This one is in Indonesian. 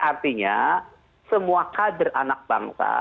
artinya semua kader anak bangsa